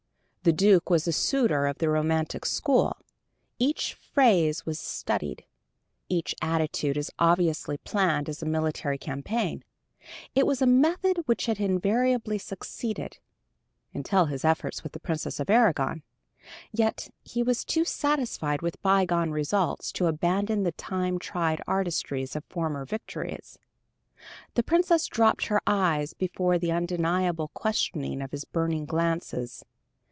The Duke was a suitor of the romantic school: each phrase was studied, each attitude as obviously planned as a military campaign. It was a method which had invariably succeeded, until his efforts with the Princess of Aragon. Yet, he was too satisfied with bygone results to abandon the time tried artistries of former victories. The Princess dropped her eyes before the undeniable questioning of his burning glances.